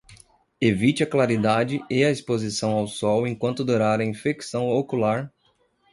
Evite a claridade e a exposição ao sol enquanto durar a infecção ocular